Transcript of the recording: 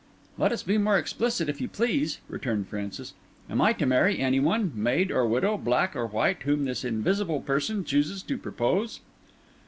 "Let us be more explicit, if you please," returned Francis. "Am I to marry any one, maid or widow, black or white, whom this invisible person chooses to propose?"